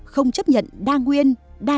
không chấp nhận đa nguyên đa đảng